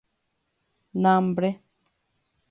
Nambre.